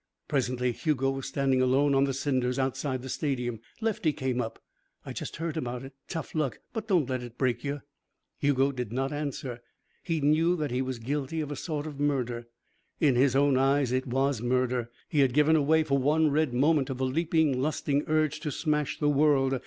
Presently Hugo was standing alone on the cinders outside the stadium. Lefty came up. "I just heard about it. Tough luck. But don't let it break you." Hugo did not answer. He knew that he was guilty of a sort of murder. In his own eyes it was murder. He had given away for one red moment to the leaping, lusting urge to smash the world.